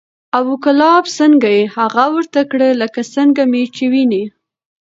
ابو کلاب څنګه یې؟ هغه ورته کړه لکه څنګه مې چې وینې،